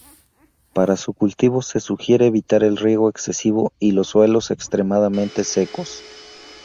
Para su cultivo se sugiere evitar el riego excesivo y los suelos extremadamente secos.